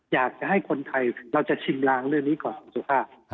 อยากจะให้คนไทยเราจะชิมลางเรื่องนี้ก่อนคุณสุภาพ